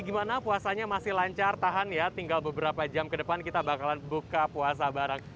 gimana puasanya masih lancar tahan ya tinggal beberapa jam ke depan kita bakalan buka puasa bareng